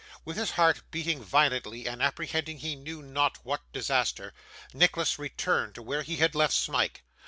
With his heart beating violently, and apprehending he knew not what disaster, Nicholas returned to where he had left Smike.